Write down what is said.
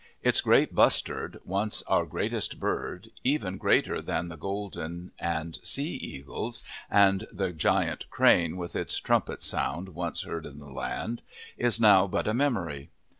Its great bustard, once our greatest bird even greater than the golden and sea eagles and the "giant crane" with its "trumpet sound" once heard in the land is now but a memory.